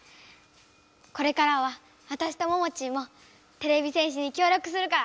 これからはわたしとモモチーもてれび戦士にきょう力するから！